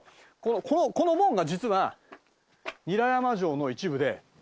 この門が実は韮山城の一部で。